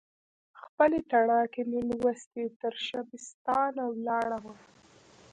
خپلې تڼاکې مې لوستي، ترشبستان ولاړمه